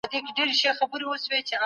دوولس عدد دئ.